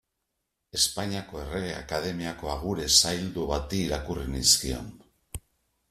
Espainiako Errege Akademiako agure zaildu bati irakurri nizkion.